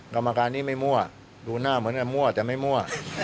กรรมการนี้ไม่มั่วดูหน้าเหมือนมั่วแต่ไม่มั่ว